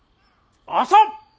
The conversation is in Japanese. あさ！